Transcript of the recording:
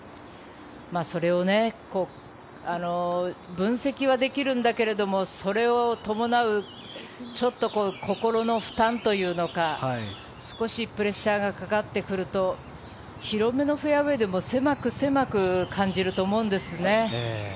それを分析はできるんだけどそれを伴うちょっと心の負担というのか少しプレッシャーがかかってくると広めのフェアウェーでも狭く狭く感じると思うんですね。